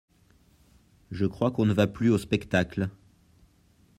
Je crois qu'on ne va plus aux spectacles.